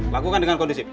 lakukan dengan kondisi